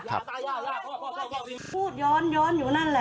พูดย้อนอยู่นั่นแหละ